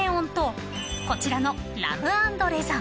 ［こちらの］